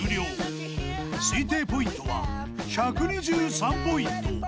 ［推定ポイントは１２３ポイント］